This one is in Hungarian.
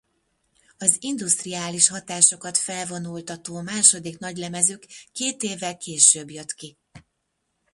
Az indusztriális hatásokat felvonultató második nagylemezük két évvel később jött ki.